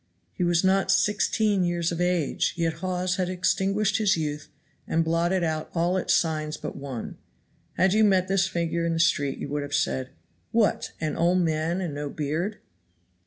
He was not sixteen years of age, yet Hawes had extinguished his youth and blotted out all its signs but one. Had you met this figure in the street you would have said: "What, an old man and no beard?"